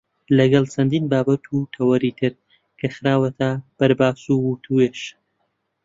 لەگەڵ چەندین بابەت و تەوەری تر کە خراونەتە بەرباس و وتووێژ.